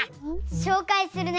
しょうかいするね！